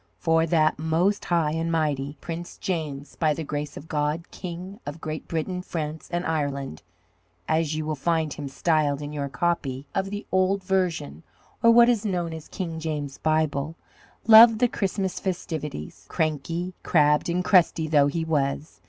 For that "Most High and Mighty Prince James, by the Grace of God King of Great Britain, France, and Ireland" as you will find him styled in your copy of the Old Version, or what is known as "King James' Bible" loved the Christmas festivities, cranky, crabbed, and crusty though he was.